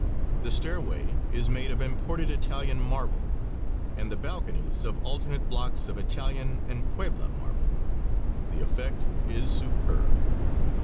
The stairway is made of imported Italian marble, and the balconies of alternate blocks of Italian and Puebla marble. The effect, is superb.